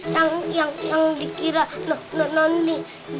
yang yang yang dikira noni